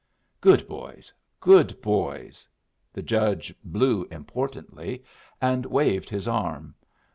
"Good boys, good boys!" The judge blew importantly, and waved his arm.